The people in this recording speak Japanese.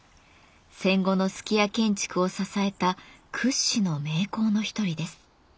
戦後の数寄屋建築を支えた屈指の名工の一人です。